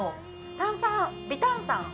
炭酸、微炭酸。